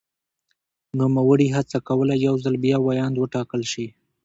نوموړي هڅه کوله یو ځل بیا ویاند وټاکل شي.